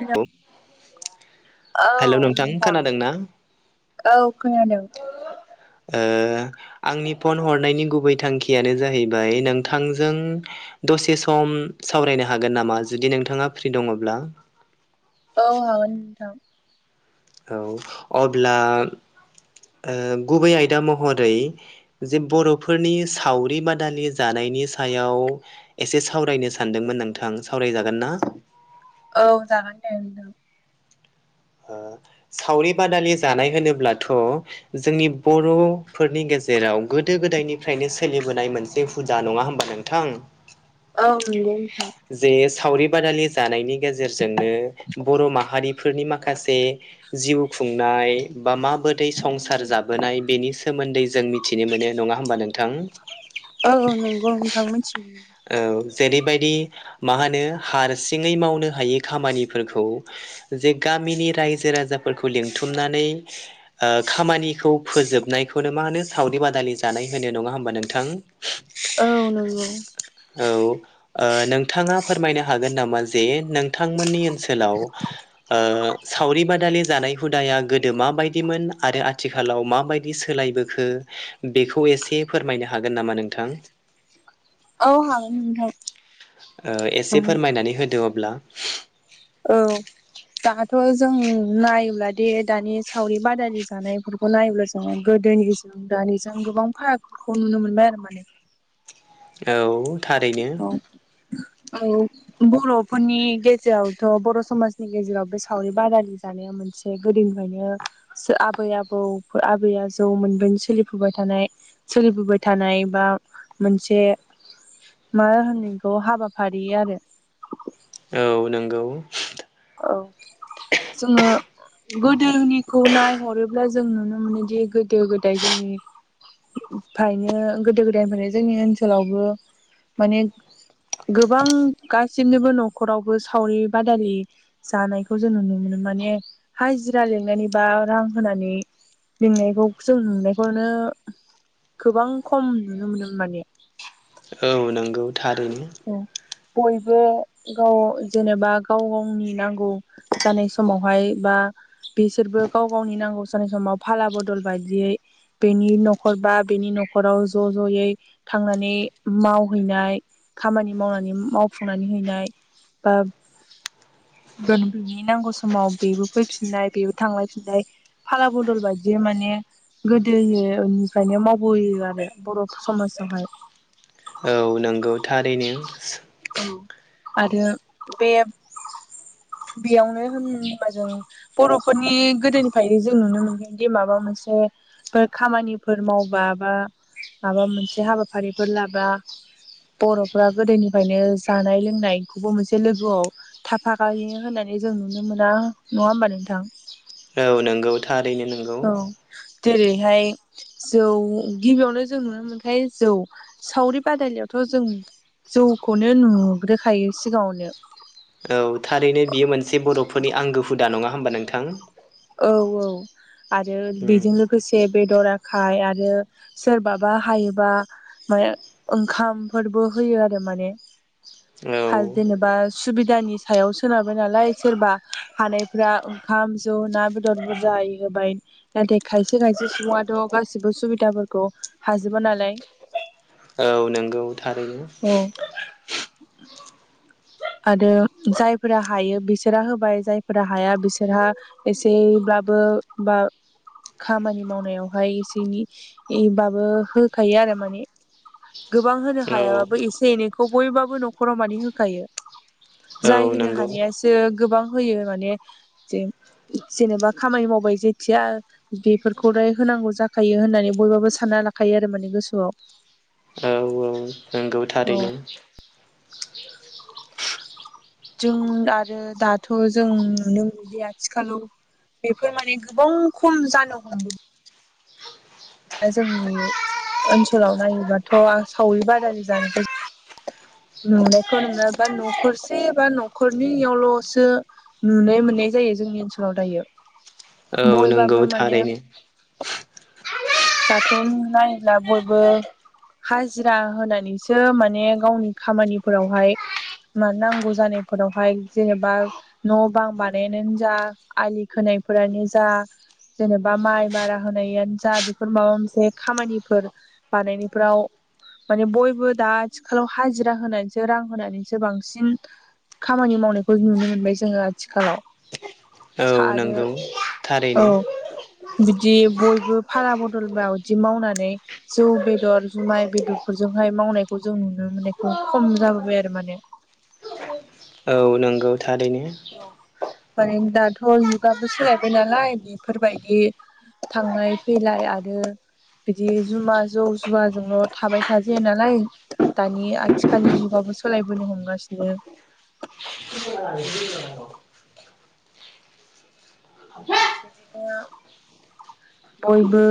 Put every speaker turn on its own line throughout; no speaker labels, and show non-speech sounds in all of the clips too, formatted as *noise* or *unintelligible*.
Hello,
hello
औ नोंथां
खोनादोंना?
औ खोनादों।
ओ आंनि फन हरनायनि गुबै थांखियानो जाहैबाय नोंथांजों दसे सम सावरायनो हागोन नामा जुदि नोंथाङा फ्रि दङ'ब्ला?
औ हागोन नोंथां।
औअब्ला ओ गुबै आयदा महरै जे बर'फोरनि सावरि बादालि जानाय बेनि सायाव एसे सावरायनो सानदोंमोन नोंथां सावरायजागोनना?
औ जागोनदे नोंथां।
ओ सावरि बादालि जानाय होनोब्लाथ' जोंनि बर'फोरनि गे जेराव गोदो गोदायनिफ्रायनो सोलिबोनाय मोनसे हुदा नङा होमबा नोंथां?
औ नंगौ नोंथां।
जे सावरि बादालि जानायनि गेजेरजोंनो बर' माहारिफोरनि माख खासे जिउ खुंनाय बा माबोरै संसार जाबोनाय बेनि सोमोन्दै जों मिथिनो मोनो नङा हबा नोंथां
औ नंगौ नोंथां मिथिगौ
औ जेरैबायदि मा होनो हारसिङै मावनो हायि खामानिफोरखौ जे गामिनि रायजो राजाफोरखौ लिंथुमनानै ओ खामानिखौ फोजोबनायखौनो मा मानो सावरि बादालि जानाय होनो नङा होमबा नोंथां?
औ नंगौ
औ ओ नोंथाङा फोरमायनो हागोन नामा जे नोंथांमोननि ओनसोलाव ओ सावरि बादालि जानाय हुदाया गोदो माबायदिमोन आरो आथिखालाव माबायदि सोलायबो खौ बेखौ एसे फोरमायनो हागोन नामा नोंथां?
औ हागोन नोंथां
ओ एसे फोरमायनानै होदो अब्ला
औ दाथ' जों नायोब्ला दे दानि सावरि बादालि जानायफोरखौ नायोब्ला जों गोद दोनिजों दानिजों गोबां फारागखौ नुनो मोनबाय आरो माने
औ थारैनो
औ औ बर'फोरनि गेजेरावथ' बर' समाजनि गेजेराव बे सावरि बादालि जानाया मोनसे गोदोनि फ्रायनो आबै आबौ आबै आजौ मोनदों सोलिफाय थानाय सोलिफोबाय थानाय बा मोनसे
*inaudible*
मा होनोखौ हाबाफारि आरो
औ नंगौ
औ जोङो गोदोनिखौ नायहरोब्ला जों नुनो मोनोदि गोदो गोदाय जोंनि फायनो गोदो गोदायनिफ्रायनो जोंनि ओनसोलावबो माने गोबां गासिनोबो न'खरावबो सावरि बादालि जानायखौ जों नुनो मोनो माने हाजिरा लिंनानै बा रां होनानै लिंनायखौ जों नुनायखौनो गोबां खम नुनो मोनोमोन माने
औ नंगौ थारैनो
बयबो गाव जेनेबा गाव गावनि नांगौ। जानाय समावहाय बा बिसोरबो गाव गावनि नांगौ जानाय समाव फाला बदल बायदियै। बेनि न'खर बा बेनि न'खराव ज' ज'यै थांनानै मावहैनाय। खामानि मावनानै मावफुंनानै हैनाय बा
*inaudible*
बेनि नांगौ समाव बेबो फैफिननाय बेबो थांलाय फिनलाय फाला बदल बायदि माने। गोदोनिफ्रायनो मावबोयो आरो बर' समाजावहाय।
औ नंगौ थारैनो।
औ आरो बे
*inaudible*
बेयावनो होनबा जों बर'फोरनि गोदोनिफ्रायनो जों नुनो मोनगोनदि माबा मोनसे। खामानिफोर मावबा बा माबा मोनसे हाबाफारिफोर लाबा बर'फ्रा गोदोनि फ्रायनो जानाय लोंनायखौबो मोनसे लोगोआव थाफाखायो होननानै जों नुनो मोना। नङा होमबा नोंथां।
औ नंगौ थारैनो नंगौ।
औ जेरैहाय जौ गिबियावनो जों नुनो मोनखायो जौ सावरि बादायलयावथ' जों जौखौनो नुग्रोखायो सिगाङावनो।
औ थारैनो बियो मोनसे बर'फोरनि आंगो हुदा नङा होमबा नोंथां।
औ
*unintelligible*
आरो
उम
बेजों लोगोसे बेदर आखाय आरो सोरबाबा हायोबा माने ओंखामफोरबो होयो आरो माने
औ
जेनेबा सुबिदानि सायाव सोनारबाय नालाय सोरबा हानायफ ओंखाम जौ ना बेदर बुरजाय होबाय नाथाय खायसे खायसे सुबुङाथ' गासिबो सुबिदाफोरखौ हाजोब नालाय
औ नंगौ थारैनो
औ
*unintelligible*
आरो जायफोरा हायो बिसोरहा होबाय जायफोरा हाया बिसोरहा एसेब्लाबो ओ बा खामानि मावनायावहाय एसे एनैबाबो होखायो आरो माने गोबां होनो
औ
हायाबाबो एसे एनैखौ बयबाबो न'खराव माने होखायो
औ
जाय होनो
नंगौ
हानायासो गोबां होयो माने जेनेबा खामानि मावबाय जेथिया बेफोरखौलाय होनांगौ जाखायो होननानै बयबाबो सान लाखायो आरो माने गोसोआव
औ औ नंगौ
औ
थारैनो
जों आरो दाथ' जों नुनो मोनोदि आथिखालाव बेफोर माने गोबां खम जानो हमगौ जोंनि ओनसोलाव नायोबाथ' सावरि बादालि जानायखौ नुनायखौ नुा बा न'खरसे बा न'खरनियावल'सो नुनो मोननाय जायो जोंनि ओनसोलाव दायो
औ नंगौ
बयबाबो माने
थारैनो
दाथ' नायोब्ला बयबो हाजिरा होनानैसो माने गावनि खामानिफोरावहाय म नांगौ जानायफोरावहाय जेनेबा न' बां बानायानो जा आलि खोनाय फोरानो जा जेनेबा माइ बारा होनायानो जा बेफोर माबा मोनसे खामानिफोर बानायनायफोराव माने बयबो दा आथिखालाव हाजिरा होनानैसो रां होनानैसो बांसिन खामानि मावनायखौ नुनो मोनबाय जोङो आथिखालाव सा
औ
आरो
नंगौ
औ
थारैनो
बिदि बयबो फाला बदल मा बादि मावनानै जौ बेदर जुमाय बेदरफोरजों हाय मावनायखौ जों नुनो मोननायखौ खम जाबोबाय आरो माने।
औ नंगौ थारैनो।
माने दाथ' जुगाबो सोलायबाय नालाय बेफोरबायदि थांलाय फैलाय आरो बिदि जुमा जौ जुवाजोंल' थाबाय थाजाया नालाय दानि आथिखालनि जुगाबो सोलायबोनो हमगासिनो।
*unintelligible*
बिदिनो
*unintelligible*
बयबो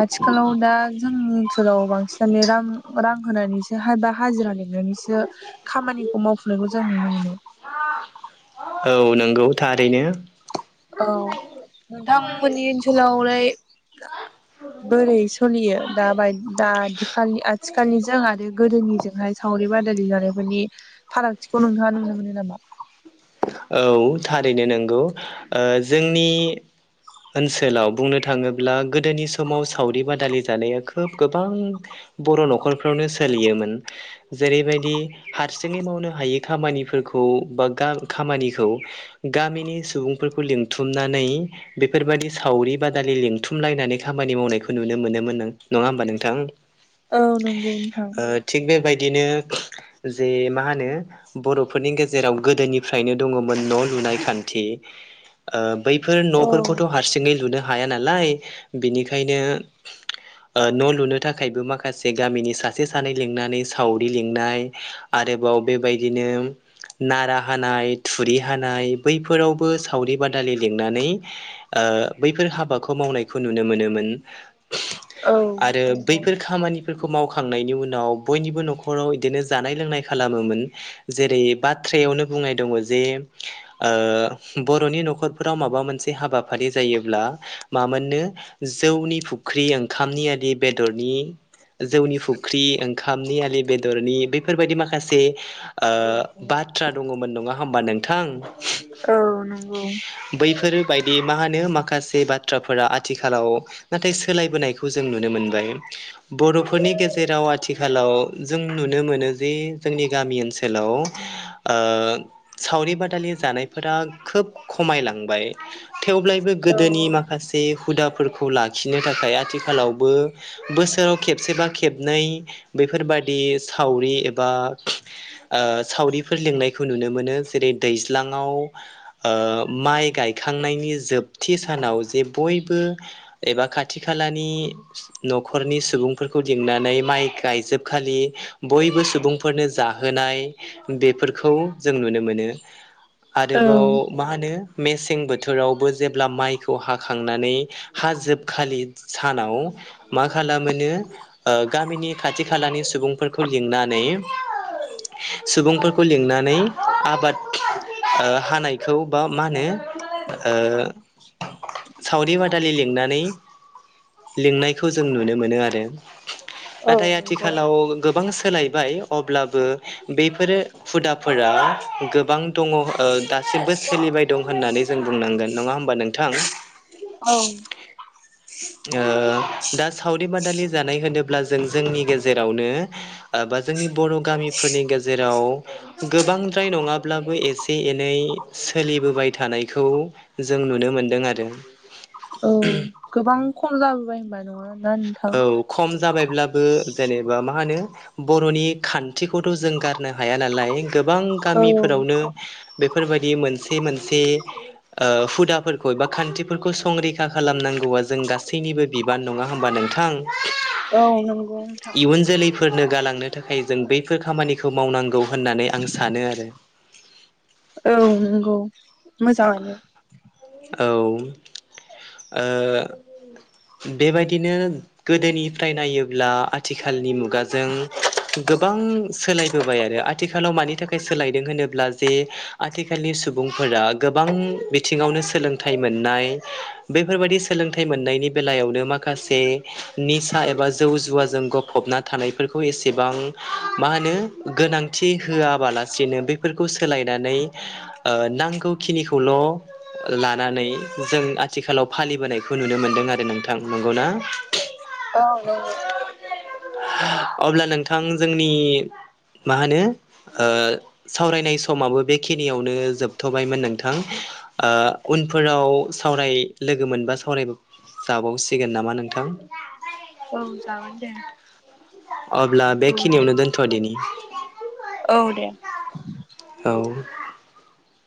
आथिखालाव दा जोंनि ओनसोलाव बांसिनानो रां रां होनानैसो हा दा हाजिरा लिंनानैसो खामानिखौ मावफुंनायखौ जों नुनो मोनो।
औ नंगौ थारैनो।
औ नोंथांमोननि ओनसोलावलाय बोरै सोलियो दा बाय दा आथिखाल आथिखालनिजों आरो गोदोनिजोंहाय साव रि बादालि जानायफोरनि फारागथिखौ नोंथाङा नुनो मोनो नामा?
औ थारैनो नंगौ ओ जोंनि ओनसोलाव बुंनो थाङोब्ला गोदोनि समाव सावरि बादालि जानाया खोब गोबां बर' न'खरफ्रावनो सोलियोमोन। जेरैबायदि हारसिङै मावनो हायै खामानिफोर खौ बा गाल खामानिखौ गामिनि सुबुंफोरखौ लिंथुमनानै बेफोरबादि सावरि बादालि लिंथुमलायनानै खामानि मावनायखौ नुनो मोनोमोन नों नङा होमबा नोंथां
औ नोंगौ नोंथां।
बिदिनो जे मा होनो बर'फोरनि गेजेराव गोदोनि फ्रायनो दङ'मोन न' लुनाय खान्थि। ओ बैफोर
औ
न'फोरखौथ' हारसिङै लुनो हाया नालाय बिनिखायनो ओ न' लुनो थाखायबो माखासे गामिनि सासे सानै लिंनानै सावरि लिंनाय आरो बेबाव बेबायदिनो नारा हानाय थुरि हानाय बैफोरावबो सावरि बादालि लिंनानै ओ बैफोर हाबाखौ मावनायखौ नुनो मोनोमोन आरो
नंगौ
बैफोर खामानि फोरखौ मावखांनायनि उनाव बयनिबो न'खराव इदिनो जानाय लोंनाय खालामोमोन। जेरै बाथ्रयावनो बुंनाय दङ' जे ओ बर'नि न'खरफोराव माबा मोनसे हाबाफारि जायोब्ला मा मोननो जौनि फुख्रि ओंखामनि आलि बेदरनि जौनि फुख्रि ओं खामनि आलि बेदरनि बैफोर बायदि माखासे ओ बाथ्रा दङ' मोन नङा होमबा नोंथां
औ नंगौ।
बायदि मा होनो माखासे बाथ्राफोरा आथिखालाव नाथाय सोलायबोनायखौ जों नुनो मोनबाय। बर'फोरनि गेजेराव आथिखालाव जों नुनो मोनो जे जोंनि गामि ओनसोलाव औ। ओ सावरि बादालि जानायफोरा खोब खमायलांबाय। थेवब्लायबो
औ
गोदोनि माखासे हुदाफोरखौ लाखिनो थाखाय आथिखालावबो बोसोराव खेबसेबा खेबनै बे फोरबायदि सावरि एबा ओ सावरि फोर लिंनायखौ नुनो मोनो। जेरै दैज्लाङाव ओ माइ गायखांनायनि जोब थि सानाव जे बयबो एबा खाथि खालानि न'खरनि सुबुंफोर खौ लिंनानै माइ गायजोबखालि बयबो सुबुंफोरनो जाहोनाय बेफोरखौ जों नुनो मोनो।
औ
आरोबाव मा होनो मेसें बोथोरावबो जेब्ला माइखौ हाखांनानै हाजोबखालि सानाव मा खालामोनो ओ गामिनि खाथि खालानि सुबुंफोरखौ लिंनानै सुबुंफोरखौ लिंनानै आबाद ओ हानायखौ बा मा होनो ओ सावरि बादालि लिंनानै लिंनायखौ जों नुनो मोनो आरो
औ
नाथाय
नंगौ
आथिखालाव गोबां सोलायबाय अब्लाबो बेफोरो हुदाफोरा गोबां दङ दासिमबो सोलिबाय दं होननानै जों बुंनांगोन नङा होमबा नोंथां
औ
ओ दा सावरि बादा लि जानाय होनोब्ला जों जोंनि गेजेरावनो ओ बा जोंनि बर' फोरनि गेजेराव गोबांद्राय नङाब्लाबो एसे एनै सोलिबोबाय थानायखौ जों नुनो मोनदों आरो
औ गोबां खम जाबोबाय होनबा नोङो ना नोंथां
औ खम जाबायब्लाबो जेनेबा मा होनो बर'नि खान्थिखौथ' जों गारनो हाया नालाय गोबां
औ
गामिफोरावनो बेफोरबायदि मोनसे मोनसे ओ हुदाफोरखौ एबा खान्थिफोरखौ संरैखा खालामनां गौआ जों गासैनिबो बिबान नङा होमबा नोंथां
औ नंगौ नोंथां।
इयुन जोलैफोरनो गालांनो थाखाय जों बैफोर खामानिखौ मावनांगौ होननानै आं सानो आरो
औ नंगौ मोजाङानो
औ ओ बेबायदिनो गोदोनिफ्राय नायोब्ला आथिखालनि मुगाजों गोबां सोलायबोबाय आरो आथिखालाव मानि थाखाय सोलायदों होनोब्ला जे आथिखालनि सुबुं फोर गोबां बिथिङावनो स सोलोंथाय मोननाय बेफोरबादि सोलोंथाइ मोननायनि बेलायावनो माखासे नि एबा जौ जुवाजों गफबना थानायफोरखौ एसेबां मा होनो गोनांथि हो होआबालासिनो बेफोरखौ सोलायनानै नांगौखिनिखौल' लानानै जों आथिखालाव फालिबोनायखौ नुनो मोनदों आरो नोंथां नंगौना
औ नंगौ
अब्ला नोंथां जोंनि मा होनो सावरायनाय समाबो बेखिनियावनो जोबथ'बायमोन नोंथां उनफोराव सावराय लोगो मोनबा सावराय जाबावसिगोन नामा नोंथां
औ जागोन दे
अब्ला
औ दे
बेखिनियावनो दोनथ' दिनि
औ दे।
औ